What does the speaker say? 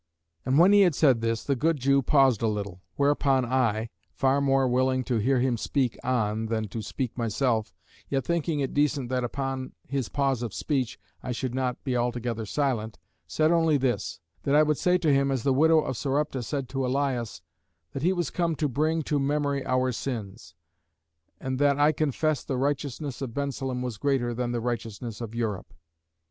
And when he had said this, the good Jew paused a little; whereupon I, far more willing to hear him speak on than to speak myself, yet thinking it decent that upon his pause of speech I should not be altogether silent, said only this; "That I would say to him, as the widow of Sarepta said to Elias; that he was come to bring to memory our sins; and that I confess the righteousness of Bensalem was greater than the righteousness of Europe."